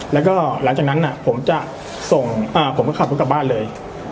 แล้วก็หลังจากนั้นผมจะส่งผมก็ขับรถกลับบ้านเลย